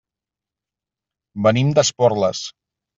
Venim d'Esporles.